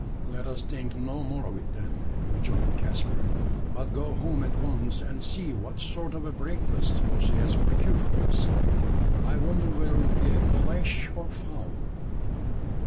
"Let us think no more of it then," rejoined Caspar; "but go home at once and see what sort of a breakfast Ossy has procured for us. I wonder whether it be flesh or fowl."